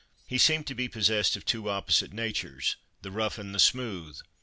He seemed to be possessed of two opposite natures the rough and the smooth.